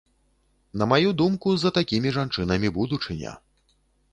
На маю думку, за такімі жанчынамі будучыня.